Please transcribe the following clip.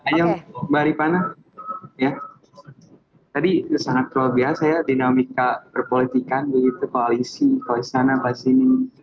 ayam mbak ripana tadi sangat luar biasa dinamika berpolitikan koalisi koalisana pas ini